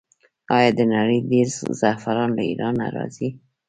آیا د نړۍ ډیری زعفران له ایران نه راځي؟